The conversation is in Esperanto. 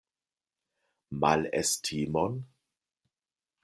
Malestimon?